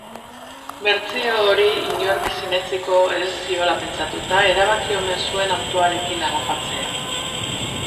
Bertsio hori inork sinetsiko ez ziola pentsatuta erabaki omen zuen autoarekin harrapatzea.